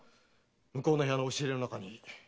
向こうの部屋の押し入れの中にこんな物が。